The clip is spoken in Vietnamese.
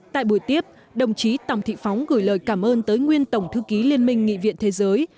tại buổi tiếp đồng chí tòng thị phóng gửi lời cảm ơn tới nguyên tổng thư ký liên minh nghị viện thế giới